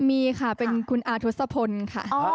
มีค่ะเป็นคุณอาธุสภนธรรมคะ